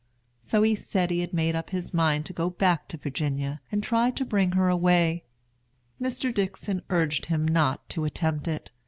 So he said he had made up his mind to go back to Virginia and try to bring her away. Mr. Dickson urged him not to attempt it.